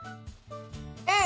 うん。